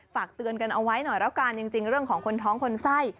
ฝากเตือนกันเอาไว้หน่อยแล้วกันจริงเรื่องของคนท้องคนไส้